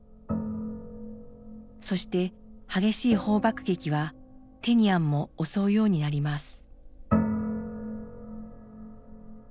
そして激しい砲爆撃はテニアンも襲うようになります。